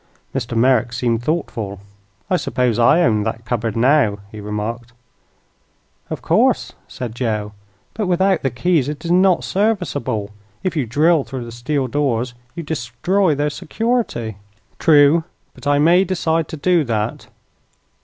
Mr. Merrick seemed thoughtful. "I suppose I own that cupboard now," he remarked. "Of course," said Joe. "But without the keys it is not serviceable. If you drill through the steel doors you destroy their security." "True; but I may decide to do that."